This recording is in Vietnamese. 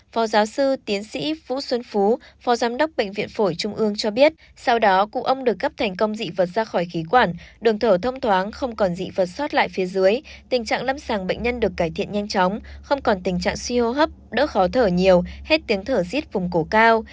phó giáo sư tiến sĩ vũ xuân phú phó giám đốc bệnh viện phổi trung ương cho biết sau đó cụ ông được cấp thành công dị vật ra khỏi khí quản đường thở thông thoáng không còn dị vật xót lại phía dưới tình trạng lâm sàng bệnh nhân được cải thiện nhanh chóng không còn tình trạng suy hô hấp đỡ khó thở nhiều hết tiếng thở rít vùng cổ cao